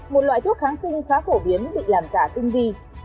một loại thuốc kháng sinh khá phổ biến bị làm giả tinh vi